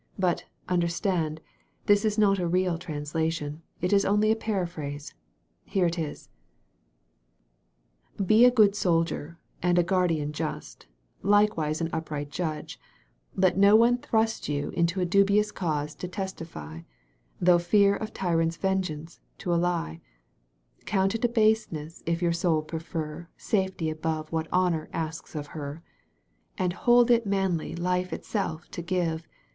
"But, under stand, this is not a real translation. It is only a paraphrase. Here it is: "Be a good soldier, and a guardian just; Likewise an upright judge. Let no one thrust 202 A CLASSIC INSTANCE You in a dubious cause to testify. Through fear of tyrant's vengeance, to a lie. Count it a baseness if your soul prefer Safety above what Honor asks of her: And hold it manly life itself to give.